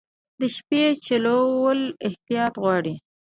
د شپې چلول احتیاط غواړي.